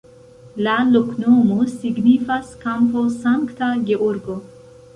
La loknomo signifas: kampo Sankta Georgo.